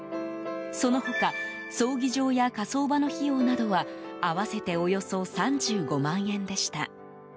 その他葬儀場や火葬場の費用などは合わせておよそ３５万円でした。